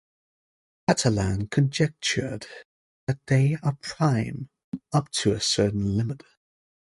Catalan conjectured that they are prime "up to a certain limit".